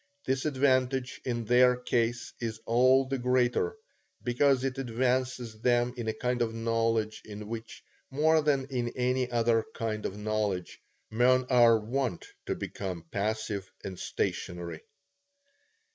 This advantage in their case is all the greater, because it advances them in a kind of knowledge in which, more than in any other kind of knowledge, men are wont to become passive and stationary.